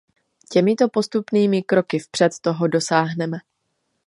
Těmito postupnými kroky vpřed toho dosáhneme.